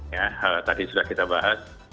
ya tadi sudah kita bahas